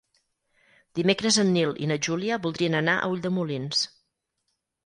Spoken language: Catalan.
Dimecres en Nil i na Júlia voldrien anar a Ulldemolins.